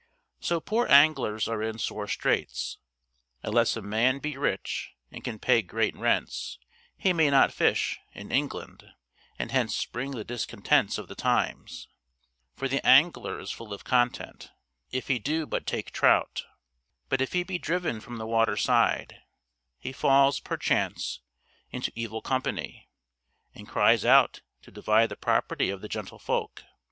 So poor anglers are in sore straits. Unless a man be rich and can pay great rents, he may not fish, in England, and hence spring the discontents of the times, for the angler is full of content, if he do but take trout, but if he be driven from the waterside, he falls, perchance, into evil company, and cries out to divide the property of the gentle folk.